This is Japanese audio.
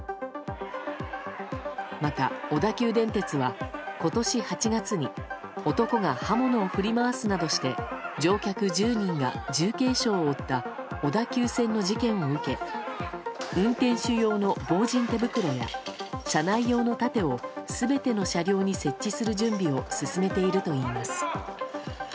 また、小田急電鉄は今年８月に男が刃物を振り回すなどして乗客１０人が重軽傷を負った小田急線の事件を受け運転手用の防刃手袋や車内用の盾を全ての車両に設置する準備を進めているといいます。